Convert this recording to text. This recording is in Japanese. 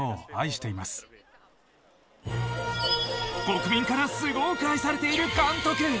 国民からすごく愛されている監督。